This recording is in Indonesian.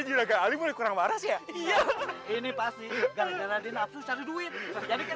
kayaknya juga kali boleh kurang marah ya ini pasti gara gara di nafsu cari duit jadi kayak